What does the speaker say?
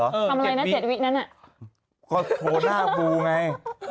โรคโดชนาบูอ่ะไง